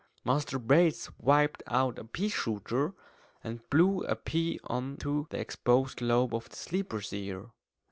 Master Bates whipped out a pea shooter, and blew a pea on to the exposed lobe of the sleeper's ear.